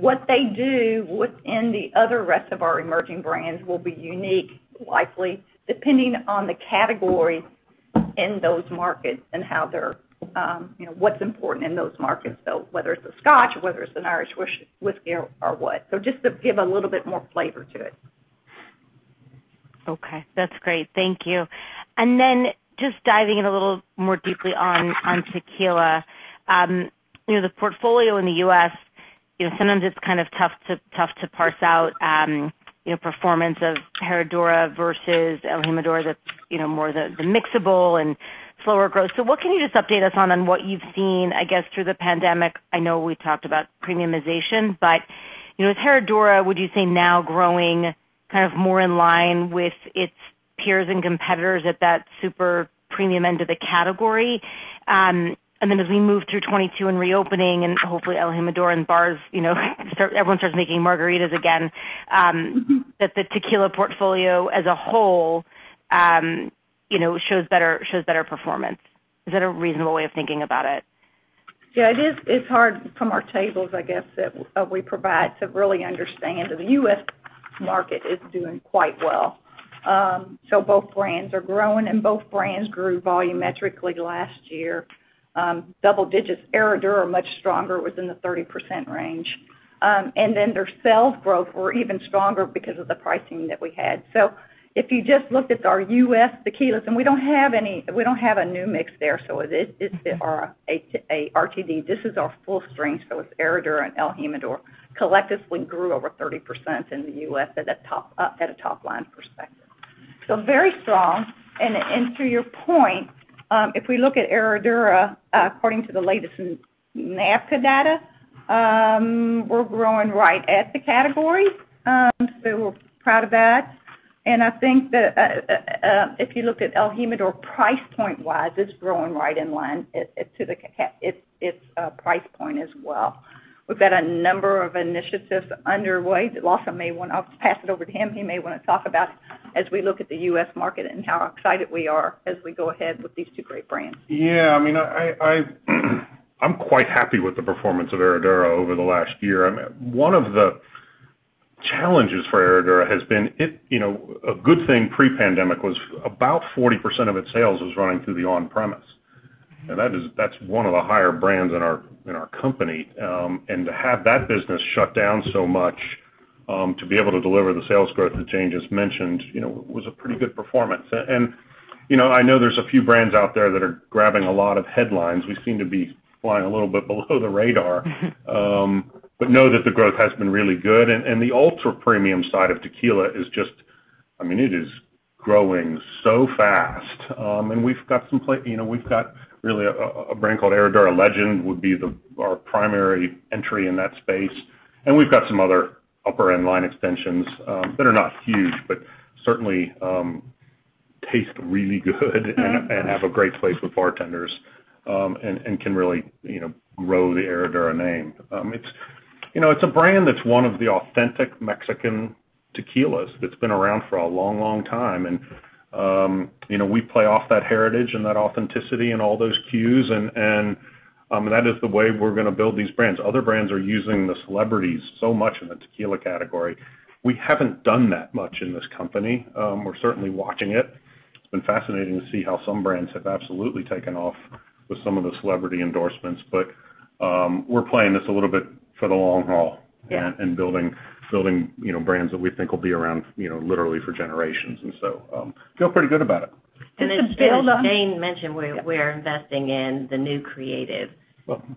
What they do within the other rest of our emerging brands will be unique, likely depending on the category in those markets and what's important in those markets. Whether it's a scotch, whether it's an Irish whiskey, or what. Just to give a little bit more flavor to it. Okay, that's great. Thank you. Just diving a little more deeply on tequila. The portfolio in the U.S., sometimes it's kind of tough to parse out performance of Herradura versus el Jimador that's more the mixable and slower growth. What can you just update us on what you've seen, I guess, through the pandemic? I know we talked about premiumization, but is Herradura, would you say now growing kind of more in line with its? Peers and competitors at that super premium end of the category. As we move through 2022 and reopening and hopefully el Jimador and bars, everyone starts making margaritas again, that the tequila portfolio as a whole shows better performance. Is that a reasonable way of thinking about it? It's hard from our tables, I guess, that we provide to really understand. The U.S. market is doing quite well. Both brands are growing, and both brands grew volumetrically last year. Double digits. Herradura much stronger within the 30% range. Their sales growth were even stronger because of the pricing that we had. If you just looked at our U.S. tequilas, and we don't have a New Mix there, it's our RTD. This is our full strength. It's Herradura and el Jimador collectively grew over 30% in the U.S. at a top-line perspective. Very strong. To your point, if we look at Herradura, according to the latest NABCA data, we're growing right at the category. We're proud of that. I think that if you look at el Jimador price point wise, it's growing right in line to its price point as well. We've got a number of initiatives underway that Lawson may want. I'll pass it over to him. He may want to talk about as we look at the U.S. market and how excited we are as we go ahead with these two great brands. Yeah. I'm quite happy with the performance of Herradura over the last year. One of the challenges for Herradura has been a good thing pre-pandemic was about 40% of its sales was running through the on-premise. That's one of the higher brands in our company. To have that business shut down so much to be able to deliver the sales growth that Jane just mentioned, was a pretty good performance. I know there's a few brands out there that are grabbing a lot of headlines. We seem to be flying a little bit below the radar. Know that the growth has been really good, and the ultra premium side of tequila is just, it is growing so fast. We've got really a brand called Herradura Legend would be our primary entry in that space, and we've got some other upper-end line extensions that are not huge, but certainly taste really good and have a great place with bartenders, and can really grow the Herradura name. It's a brand that's one of the authentic Mexican tequilas. It's been around for a long time, and we play off that heritage and that authenticity and all those cues, and that is the way we're going to build these brands. Other brands are using the celebrities so much in the tequila category. We haven't done that much in this company. We're certainly watching it. It's been fascinating to see how some brands have absolutely taken off with some of the celebrity endorsements. We're playing this a little bit for the long haul and building brands that we think will be around literally for generations, and so feel pretty good about it. As Jane mentioned, we are investing in the new creative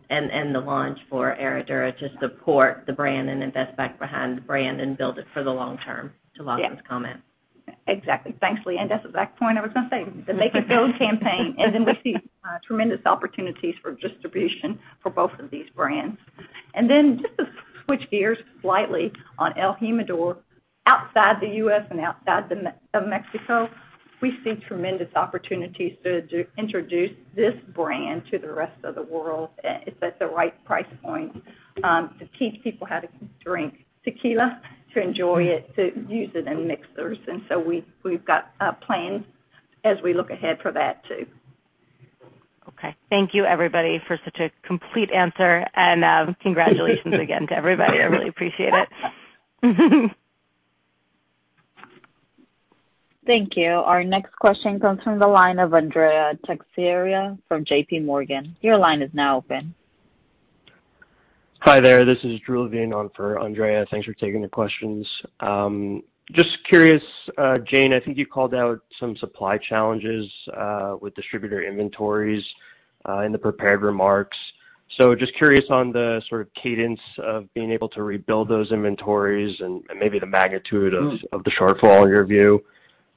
and the launch for Herradura to support the brand and invest back behind the brand and build it for the long term. To Lawson's comment. Exactly. Thankfully, I invested back point over something. The Make a Move campaign. We see tremendous opportunities for distribution for both of these brands. Just to switch gears slightly on el Jimador, outside the U.S. and outside of Mexico, we see tremendous opportunities to introduce this brand to the rest of the world. It's at the right price point to teach people how to drink tequila, to enjoy it, to use it in mixers. We've got plans as we look ahead for that, too. Okay. Thank you everybody for such a complete answer. Congratulations again to everybody. I really appreciate it. Thank you. Our next question comes from the line of Andrea Teixeira from JPMorgan. Your line is now open. Hi there. This is Drew again for Andrea. Thanks for taking the questions. Just curious, Jane, I think you called out some supply challenges with distributor inventories in the prepared remarks. Just curious on the sort of cadence of being able to rebuild those inventories and maybe the magnitude of the shortfall in your view.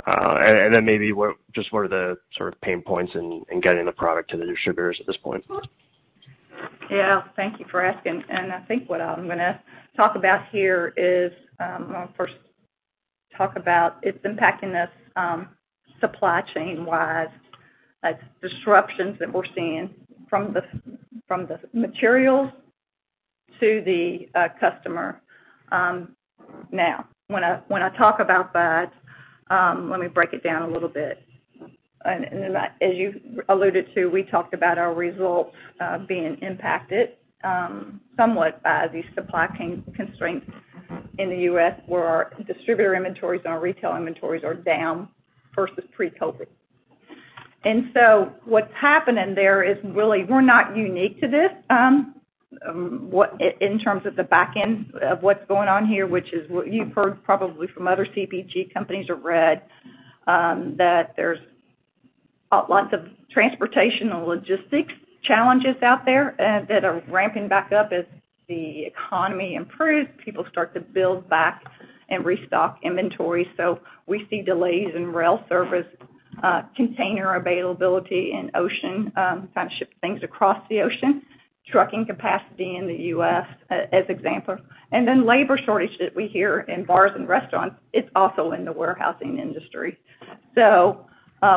Maybe just what are the sort of pain points in getting the product to the distributors at this point? Yeah, thank you for asking. I think what I'm going to talk about here is, I'm going to first talk about it's impacting us supply chain-wise, like disruptions that we're seeing from the materials to the customer. When I talk about that, let me break it down a little bit. As you alluded to, we talked about our results being impacted, somewhat by the supply chain constraints in the U.S. where our distributor inventories, our retail inventories are down versus pre-COVID-19. What's happening there is really we're not unique to this, in terms of the back end of what's going on here, which is what you've heard probably from other CPG companies or read, that there's lots of transportation and logistics challenges out there that are ramping back up as the economy improves, people start to build back and restock inventory. We see delays in rail service. Container availability and ocean, ship things across the ocean, trucking capacity in the U.S., as examples, and then labor shortage that we hear in bars and restaurants. It's also in the warehousing industry.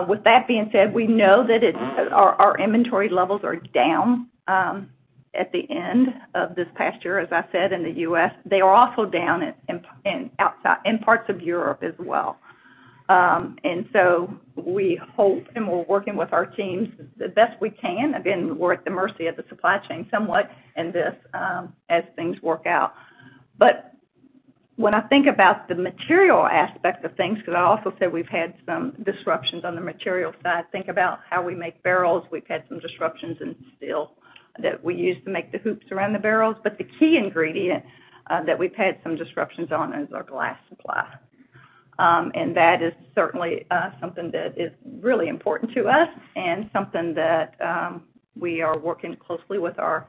With that being said, we know that our inventory levels are down at the end of this past year, as I said, in the U.S. They're also down in parts of Europe as well. We hope, and we're working with our teams the best we can. Again, we're at the mercy of the supply chain somewhat in this, as things work out. When I think about the material aspect of things, because I'll also say we've had some disruptions on the material side. Think about how we make barrels. We've had some disruptions in steel that we use to make the hoops around the barrels. The key ingredient that we've had some disruptions on is our glass supply. That is certainly something that is really important to us and something that we are working closely with our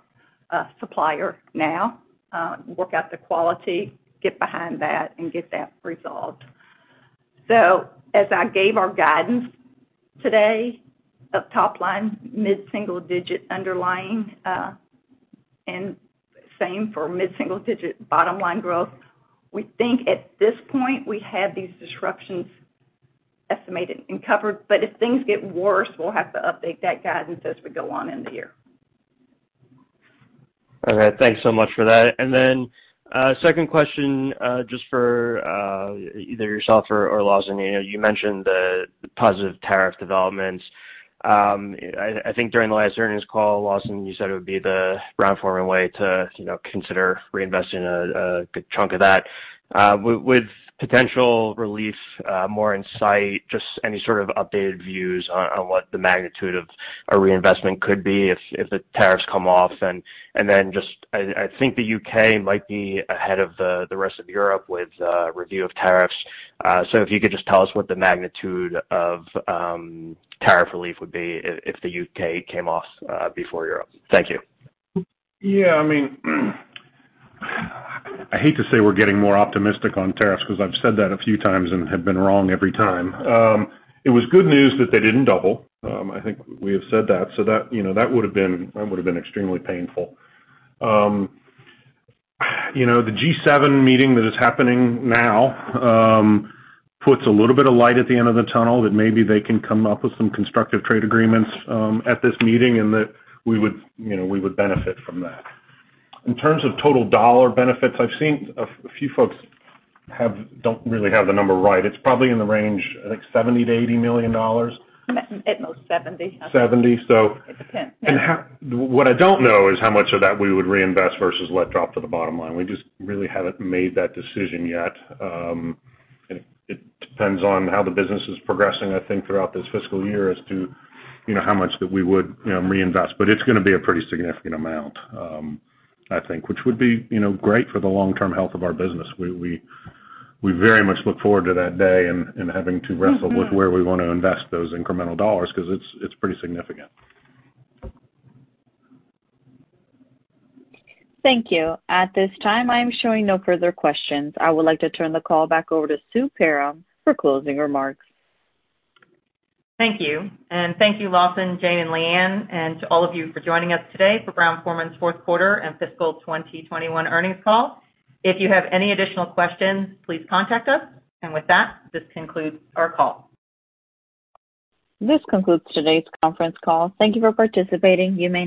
supplier now to work out the quality, get behind that, and get that resolved. As I gave our guidance today of top line, mid-single digit underlying, and same for mid-single digit bottom line growth, we think at this point we have these disruptions estimated and covered. If things get worse, we'll have to update that guidance as we go on in the year. Okay. Thanks so much for that. Then, second question, just for either yourself or Lawson. You mentioned the positive tariff developments. I think during the last earnings call, Lawson, you said it would be the Brown-Forman way to consider reinvesting a good chunk of that. With potential relief more in sight, just any sort of updated views on what the magnitude of a reinvestment could be if the tariffs come off. Then just, I think the U.K. might be ahead of the rest of Europe with review of tariffs. If you could just tell us what the magnitude of tariff relief would be if the U.K. came off before Europe. Thank you. Yeah, I hate to say we're getting more optimistic on tariffs because I've said that a few times and have been wrong every time. It was good news that they didn't double. I think we have said that. That would've been extremely painful. The G7 meeting that is happening now puts a little bit of light at the end of the tunnel that maybe they can come up with some constructive trade agreements at this meeting, and that we would benefit from that. In terms of total dollar benefits, I've seen a few folks don't really have the number right. It's probably in the range, I think $70 million-$80 million. I'd say more $70 million. $70 million. What I don't know is how much of that we would reinvest versus let drop to the bottom line. We just really haven't made that decision yet. It depends on how the business is progressing, I think, throughout this fiscal year as to how much that we would reinvest. It's going to be a pretty significant amount, I think, which would be great for the long-term health of our business. We very much look forward to that day and having to wrestle with where we want to invest those incremental dollars because it's pretty significant. Thank you. At this time, I am showing no further questions. I would like to turn the call back over to Susanne Perram for closing remarks. Thank you. Thank you, Lawson, Jane, and Leanne, and to all of you for joining us today for Brown-Forman's fourth quarter and fiscal 2021 earnings call. If you have any additional questions, please contact us. With that, this concludes our call. This concludes today's conference call. Thank you for participating. You may disconnect.